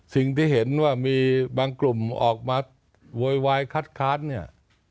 สิ่งที่เห็นว่ามีบางกลุ่มออกมาโวยวายคัดค้านเนี่ย